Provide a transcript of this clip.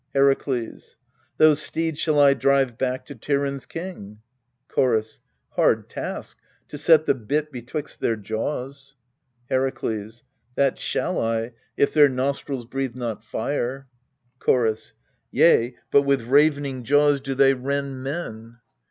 Herakles. Those steeds shall I drive back to Tiryns' king. Chorus. Hard task, to set the bit betwixt their jaws. Herakles. That shall I, if their nostrils breathe not fire. Chorus. Yea, but with ravening jaws do they rend men.